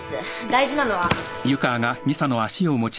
大事なのは。